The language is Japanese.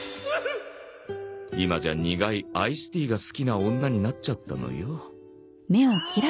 今じゃ苦いアイスティーが好きな女になっちゃったのよ。